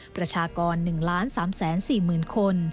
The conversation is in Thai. ประชากร๑๓๔๐๐๐คน